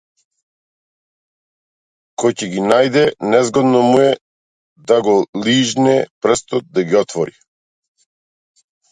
Ко ќе ги најде, незгодно му е да го лижне прстот да ги отвори.